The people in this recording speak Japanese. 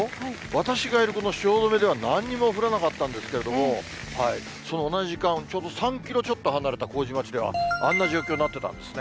私がいるこの汐留では、なんにも降らなかったんですけれども、その同じ時間、ちょうど３キロちょっと離れた麹町では、あんな状況になってたんですね。